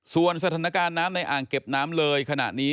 ส่วนสถานการณ์น้ำในอ่างเก็บน้ำเลยขณะนี้